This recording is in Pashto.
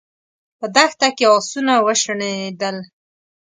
په دښته کې آسونه وشڼېدل.